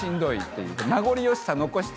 名残惜しさ残しつつの。